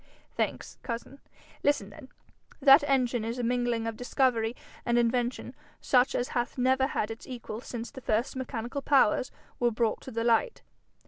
'Thanks, cousin. Listen then: That engine is a mingling of discovery and invention such as hath never had its equal since first the mechanical powers were brought to the light.